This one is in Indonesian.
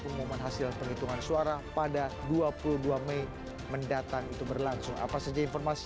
pengumuman hasil penghitungan suara pada dua puluh dua mei mendatang itu berlangsung apa saja informasi